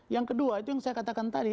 yang kedua itu yang saya katakan tadi